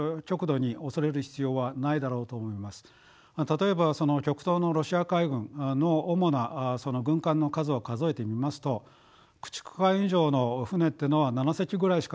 例えばその極東のロシア海軍の主な軍艦の数を数えてみますと駆逐艦以上の船っていうのは７隻ぐらいしかないわけですよ。